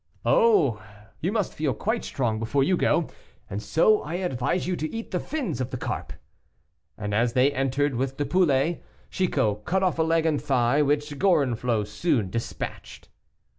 "Oh! you must feel quite strong before you go, and so I advise you to eat the fins of the carp." And as they entered with the pullet, Chicot cut off a leg and thigh, which Gorenflot soon despatched.